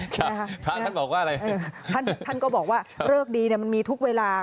พระอาจารย์ท่านบอกว่าอะไรท่านก็บอกว่าเลิกดีมันมีทุกเวลา